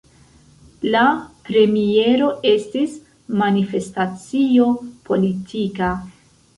La premiero estis manifestacio politika.